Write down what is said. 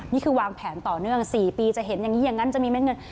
นี่คือวางแผนต่อเนื่อง๔ปีจะเห็นอย่างนี้อย่างนั้นจะมีเม็ดเงิน